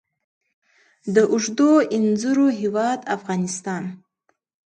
د اوږدو انځرو هیواد افغانستان.